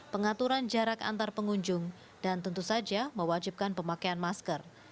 pengaturan jarak antar pengunjung dan tentu saja mewajibkan pemakaian masker